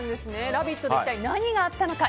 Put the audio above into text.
「ラヴィット！」で一体何があったのか。